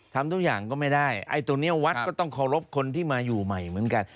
ทำทุกอย่างก็ไม่ได้ไอ้ตรงนี้วัดก็ต้องเคารพคนที่มาอยู่ใหม่เหมือนกัน